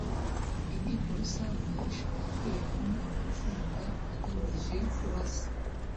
inteko rusange ishobora kwiremamo amatsinda agamije kurasa